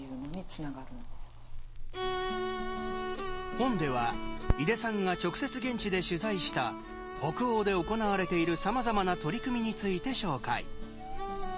本では井出さんが直接現地で取材した北欧で行われているさまざまな取り組みについて紹介。